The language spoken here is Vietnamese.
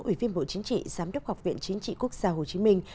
ủy viên bộ chính trị giám đốc học viện chính trị quốc gia hồ chí minh